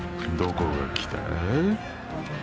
どこが来た？